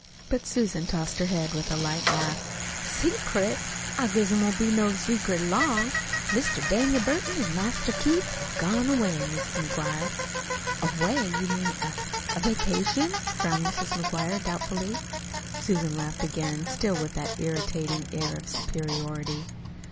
But Susan tossed her head with a light laugh. "Secret! I guess 't won't be no secret long. Mr. Daniel Burton an' Master Keith have gone away, Mis' McGuire." "Away! You mean a a vacation?" frowned Mrs. McGuire doubtfully. Susan laughed again, still with that irritating air of superiority.